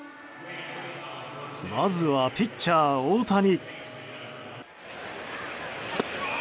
まずはピッチャー大谷。